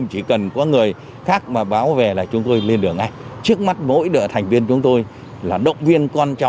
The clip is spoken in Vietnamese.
ví dụ người ta bảo là đấy có phải nhà ba đó mà nhắc